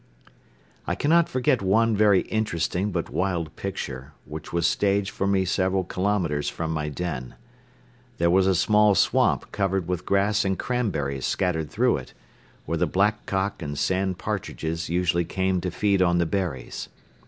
I cannot forget one very interesting but wild picture, which was staged for me several kilometres from my den. There was a small swamp covered with grass and cranberries scattered through it, where the blackcock and sand partridges usually came to feed on the berries.